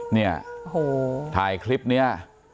เนี่ยถ่ายคลิปนี้